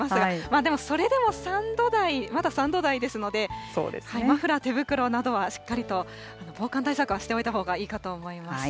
でもそれでも３度台、まだ３度台ですので、マフラー、手袋などはしっかりと防寒対策はしておいたほうがいいかと思います。